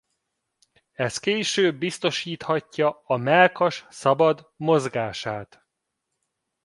Ez később biztosíthatja a mellkas szabad mozgását.